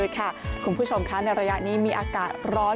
คุณผู้ชมค่ะในระยะนี้มีอากาศร้อน